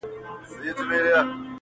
o ماسومان ترې تېرېږي وېرېدلي ډېر,